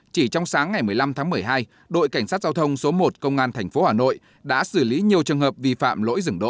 chỉ trong sáng ngày một mươi năm tháng một mươi hai đội cảnh sát giao thông số một công an tp hà nội đã xử lý nhiều trường hợp vi phạm lỗi dừng đỗ